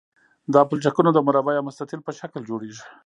دا پلچکونه د مربع یا مستطیل په شکل جوړیږي